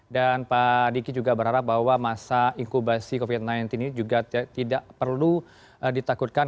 dan pak diki juga berharap bahwa masa inkubasi covid sembilan belas ini juga tidak perlu ditakutkan